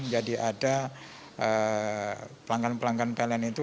jadi ada pelanggan pelanggan pln itu